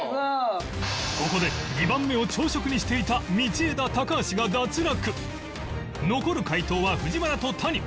ここで２番目を「朝食」にしていた残る解答は藤原と谷